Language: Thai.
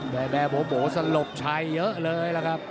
แบบโบโบสลบชายเยอะเลยแหละครับ